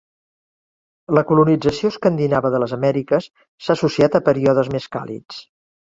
La colonització escandinava de les Amèriques s'ha associat a períodes més càlids.